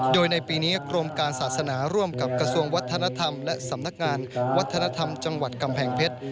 โดยในปีนี้กรมการศาสนาร่วมกับกระทรวงวัฒนธรรมและสำนักงานวัฒนธรรมจังหวัดกำแพงเพชร